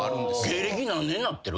芸歴何年なってる？